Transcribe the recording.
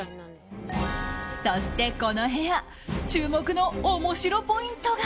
そして、この部屋注目の面白ポイントが。